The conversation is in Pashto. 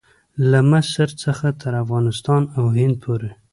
له مصر څخه تر افغانستان او هند پورې.